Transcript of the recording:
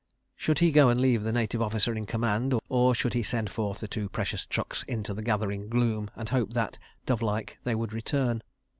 ... Should he go and leave the Native Officer in command, or should he send forth the two precious trucks into the gathering gloom and hope that, dove like, they would return?